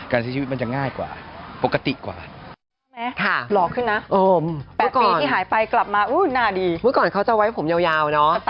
ใช้ชีวิตมันจะง่ายกว่าปกติกว่า